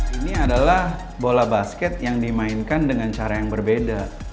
ini adalah bola basket yang dimainkan dengan cara yang berbeda